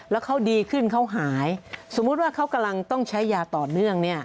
แล้วเขาดีขึ้นเขาหายสมมุติว่าเขากำลังต้องใช้ยาต่อเนื่องเนี่ย